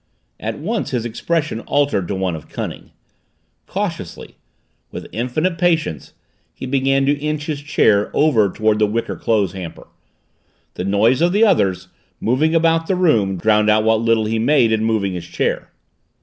At once his expression altered to one of cunning cautiously, with infinite patience, he began to inch his chair over toward the wicker clothes hamper. The noise of the others, moving about the room, drowned out what little he made in moving his chair.